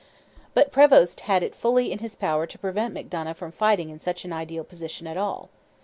But Prevost had it fully in his power to prevent Macdonough from fighting in such an ideal position at all.